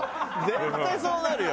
絶対そうなるよ。